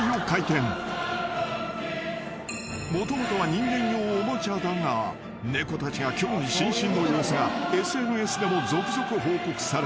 ［もともとは人間用おもちゃだが猫たちが興味津々の様子がＳＮＳでも続々報告されている］